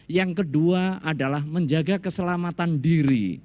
yang kedua adalah menjaga keselamatan diri